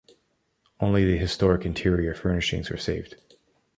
Only the historic interior furnishings were saved.